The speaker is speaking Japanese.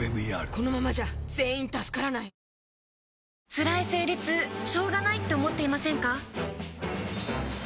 つらい生理痛しょうがないって思っていませんか？